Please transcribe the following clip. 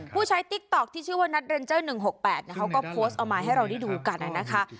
ใช้ติ๊กต๊อกที่ชื่อว่านัทเรนเจอร์๑๖๘เขาก็โพสต์เอามาให้เราได้ดูกันนะคะ